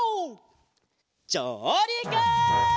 じょうりく！